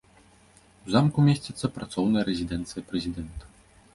У замку месціцца працоўная рэзідэнцыя прэзідэнта.